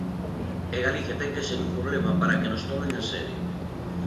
E Galicia ten que ser un problema para que nos tomen en serio.